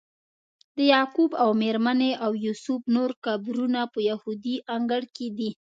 د یعقوب او میرمنې او یوسف نور قبرونه په یهودي انګړ کې دي.